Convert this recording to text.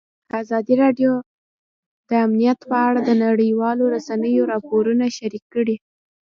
ازادي راډیو د امنیت په اړه د نړیوالو رسنیو راپورونه شریک کړي.